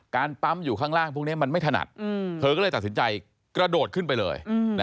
ปั๊มอยู่ข้างล่างพวกนี้มันไม่ถนัดเธอก็เลยตัดสินใจกระโดดขึ้นไปเลย